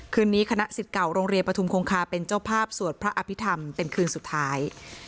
นี้คณะสิทธิ์เก่าโรงเรียนปฐุมคงคาเป็นเจ้าภาพสวดพระอภิษฐรรมเป็นคืนสุดท้าย